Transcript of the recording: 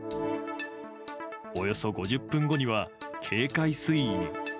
およそ５０分後には警戒水位に。